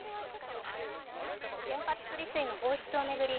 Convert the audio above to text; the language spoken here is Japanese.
原発処理水の放出を巡り